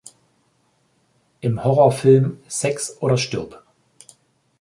Im Horrorfilm "Sex oder stirb!